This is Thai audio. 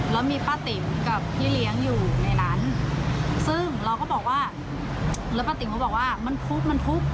แล้วมีป้าติ๋มกับพี่เลี้ยงอยู่ในนั้นซึ่งเราก็บอกว่าแล้วป้าติ๋มก็บอกว่ามันทุบมันทุบ